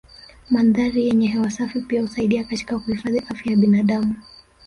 Mandhari yenye hewa safi pia husaidia katika kuhifadhi afya ya binadamu